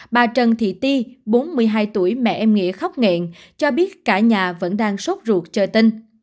bà trần thị ti bốn mươi hai tuổi mẹ em nghĩa khóc nghẹn cho biết cả nhà vẫn đang sốt ruột chờ tinh